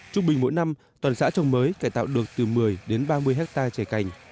trung bình mỗi năm toàn xã trồng mới cải tạo được từ một mươi đến ba mươi hectare trẻ cành